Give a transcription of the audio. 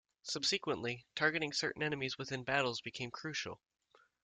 Subsequently, targeting certain enemies within battles becomes crucial.